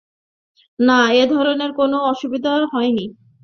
না, এ-ধরনের কোনো অসুখবিসুখ হয় নি।